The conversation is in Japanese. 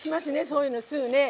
そういうのすぐね。